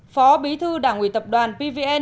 phó bí thư đảng ủy tập đoàn pvn